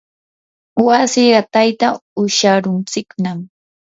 wasi qatayta usharuntsiknam.